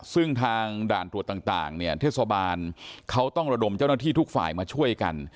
ซึ่งทางด่านตรวจต่างเนี่ยเทศบาลเขาต้องระดมเจ้าหน้าที่ทุกฝ่ายมาช่วยกัน